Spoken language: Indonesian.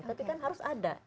tapi kan harus ada